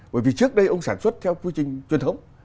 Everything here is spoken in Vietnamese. bởi vì trước đây ông sản xuất theo quy trình truyền thống